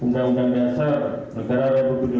yang kedua melakukan amal konstitusi